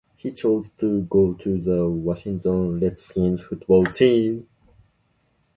He chose to go to the Washington Redskins football team.